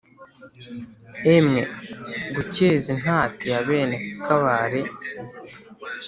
emwe gukeza intati ya bene kabare